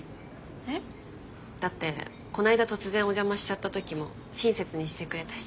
えっ？だってこないだ突然お邪魔しちゃったときも親切にしてくれたし。